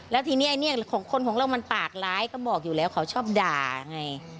แล้วทีนี้คนของเรามันปากร้ายก็บอกอยู่แล้วเขาชอบด่าไง